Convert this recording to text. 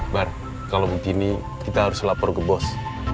bar kalau begini kita harus lapor ke bos